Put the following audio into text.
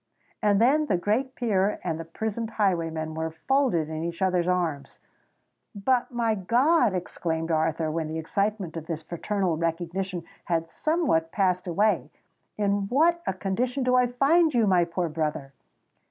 And then the great peer and the prisoned highwayman were folded in each other's arms. "But, my God!" exclaimed Arthur, when the excitement of this fraternal recognition had somewhat passed away; "in what a condition do I find you, my poor brother!"